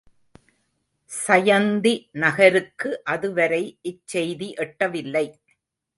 சயந்தி நகருக்கு அதுவரை இச் செய்தி எட்டவில்லை.